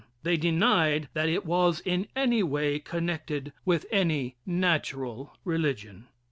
They denied that it was in any way connected with any natural religion.